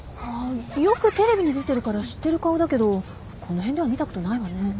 あよくテレビに出てるから知ってる顔だけどこの辺では見たことないわね。